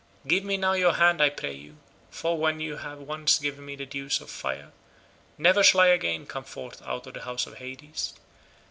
Give me now your hand I pray you, for when you have once given me my dues of fire, never shall I again come forth out of the house of Hades.